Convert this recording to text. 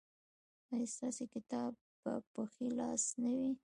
ایا ستاسو کتاب به په ښي لاس نه وي؟